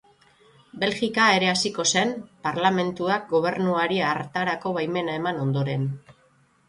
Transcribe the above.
Belgika ere hasiko zen, parlamentuak gobernuari hartarako baimena eman ondoren.